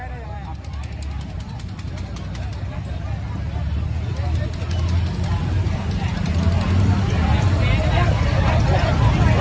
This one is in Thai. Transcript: อันนี้ก็มันถูกประโยชน์ก่อน